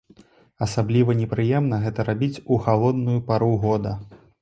Асабліва непрыемна гэта рабіць у халодную пару года.